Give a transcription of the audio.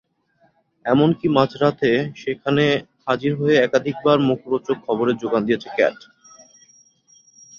এমনকি মাঝরাতে সেখানে হাজির হয়ে একাধিকবার মুখরোচক খবরের জোগান দিয়েছেন ক্যাট।